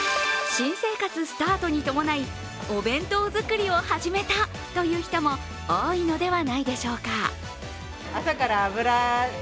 新生活スタートに伴い、お弁当作りを始めたという人も多いのではないでしょうか。